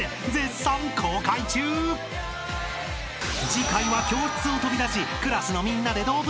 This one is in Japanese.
［次回は教室を飛び出しクラスのみんなで動物園へ］